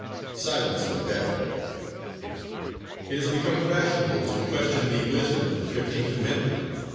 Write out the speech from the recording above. Silence were better. It has become fashionable to question the wisdom of the Fifteenth Amendment.